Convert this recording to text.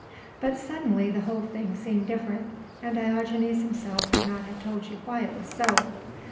But suddenly the whole thing seemed different, and Diogenes himself could not have told you why it was so.